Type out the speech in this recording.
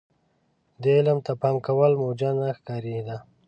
دې علم ته پام کول موجه نه ښکارېده.